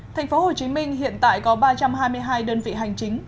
thành phố hồ chí minh hiện tại có ba trăm hai mươi hai đơn vị hành chính